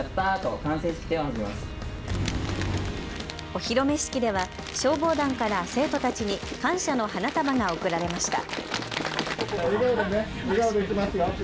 お披露目式では消防団から生徒たちに感謝の花束が贈られました。